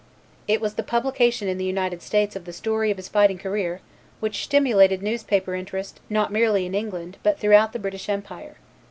It was the publication in the United States of the story of his fighting career which stimulated newspaper interest not merely in England, but throughout the British Empire.